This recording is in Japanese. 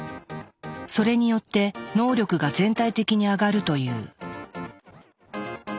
それによって能力が全体的に上がるという。